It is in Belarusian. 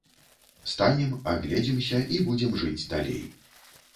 Станем, агледзімся, і будзем жыць далей.